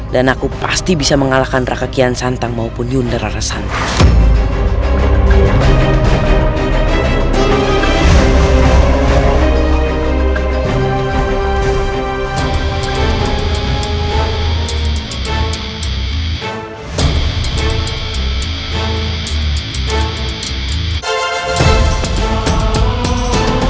dan aku pasti bisa mengalahkan raka kian santang maupun yundara rasantan